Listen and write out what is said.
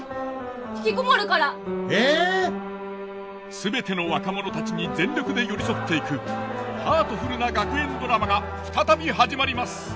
全ての若者たちに全力で寄り添っていくハートフルな学園ドラマが再び始まります。